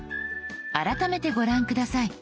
改めてご覧下さい。